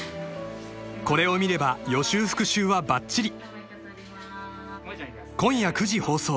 ［これを見れば予習復習はばっちり］